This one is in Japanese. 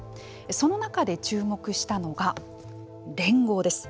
その中で注目したのが連合です。